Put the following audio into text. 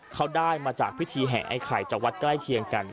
เขาได้มาจากพิธีแห่ไอ้ไข่จากวัดใกล้เคียงกัน